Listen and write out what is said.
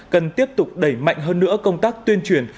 cần tiếp tục đẩy mạnh hơn nữa công tác tuyên truyền